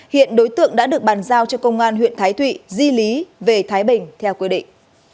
hiện đối tượng đã được bàn giao cho công an huyện thái thụy di lý về thái bình theo quy định